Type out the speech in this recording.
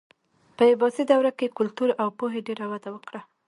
په عباسي دوره کې کلتور او پوهې ډېره وده وکړه.